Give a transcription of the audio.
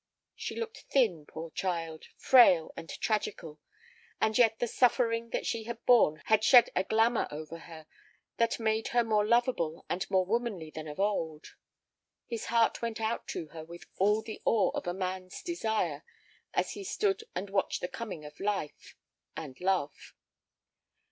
She looked thin, poor child, frail and tragical, and yet the suffering that she had borne had shed a glamour over her that made her more lovable and more womanly than of old. His heart went out to her with all the awe of a man's desire as he stood and watched the coming of life—and love.